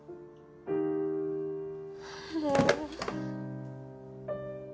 もう。